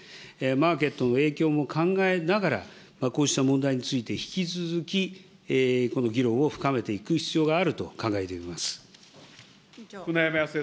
マーケットの影響も考えながらこうした問題について、引き続きこの議論を深めていく必要があると考えております。